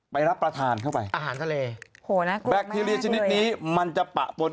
ไปรับประทานเข้าไป